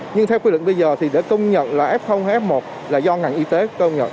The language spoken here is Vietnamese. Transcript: nhưng theo quy định bây giờ thì để công nhận là f hai f một là do ngành y tế công nhận